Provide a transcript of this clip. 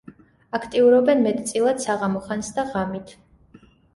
აქტიურობენ მეტწილად საღამო ხანს და ღამით.